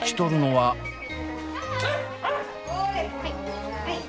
はい。